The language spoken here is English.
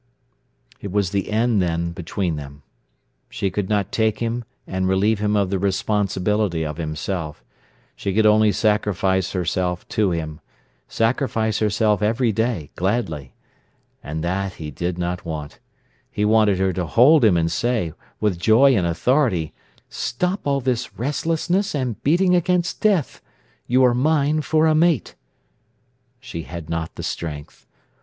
It was the end then between them. She could not take him and relieve him of the responsibility of himself. She could only sacrifice herself to him—sacrifice herself every day, gladly. And that he did not want. He wanted her to hold him and say, with joy and authority: "Stop all this restlessness and beating against death. You are mine for a mate." She had not the strength.